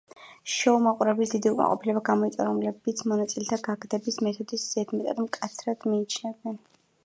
შოუმ მაყურებლის დიდი უკმაყოფილება გამოიწვია, რომლებიც მონაწილეთა გაგდების მეთოდს ზედმეტად მკაცრად მიიჩნევდნენ.